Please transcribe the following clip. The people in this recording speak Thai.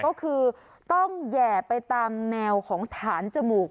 ก็คือต้องแห่ไปตามแนวของฐานจมูก